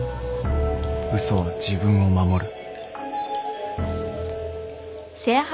嘘は自分を守る